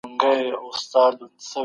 خراسان دولت جوړوو، د هيواد نوم مو موقتي